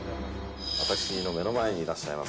私の目の前にいらっしゃいま